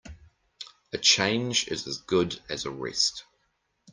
A change is as good as a rest.